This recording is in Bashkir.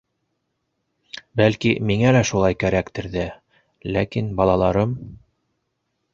Бәлки, миңә лә шулай кәрәктер ҙә, ләкин балаларым...